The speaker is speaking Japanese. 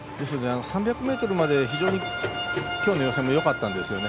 ３００ｍまで非常にきょうの予選もよかったんですよね。